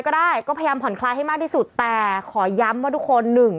ได้ก็พยายามผ่อนคลายให้มากที่สุดแต่ขอย้ำว่าทุกคนหนึ่ง